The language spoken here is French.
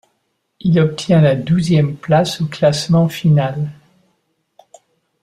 Il obtient la douzième place au classement final.